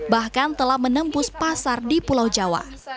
bahkan telah menembus pasar di pulau jawa